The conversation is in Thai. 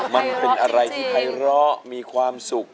มันเป็นอะไรที่ภัยร้อมีความสุข